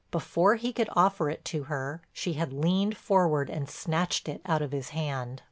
Before he could offer it to her, she had leaned forward and snatched it out of his hand.